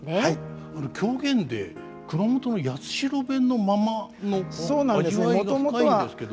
狂言で熊本の八代弁のままの味わいが深いんですけど。